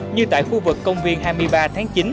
như tại khu vực công viên hai mươi ba tháng chín